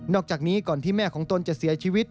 อกจากนี้ก่อนที่แม่ของตนจะเสียชีวิต